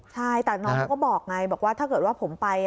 ใช่แต่น้องเขาก็บอกไงบอกว่าถ้าเกิดว่าผมไป